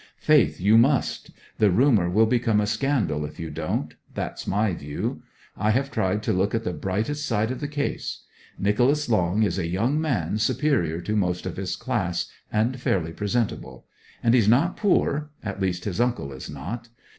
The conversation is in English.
Faith, you must! The rumour will become a scandal if you don't that's my view. I have tried to look at the brightest side of the case. Nicholas Long is a young man superior to most of his class, and fairly presentable. And he's not poor at least his uncle is not.